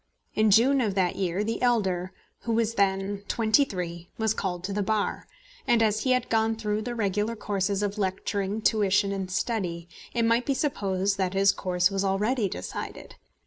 In June of that year the elder, who was then twenty three, was called to the Bar; and as he had gone through the regular courses of lecturing tuition and study, it might be supposed that his course was already decided.